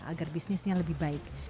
agar bisnisnya lebih baik